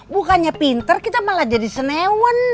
bukannya pinter kita malah jadi senewen